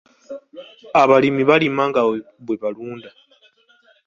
Abalimi balima nga bwe balunda.